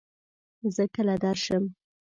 زۀ کله درشم ؟